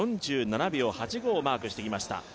４７秒８５をマークしてきました。